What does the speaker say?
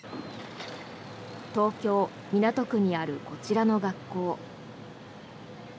東京・港区にあるこちらの学校。